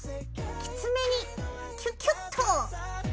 きつめにキュキュッと！